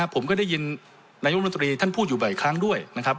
ผมก็ได้ยินนายกรรมนตรีท่านพูดอยู่บ่อยครั้งด้วยนะครับ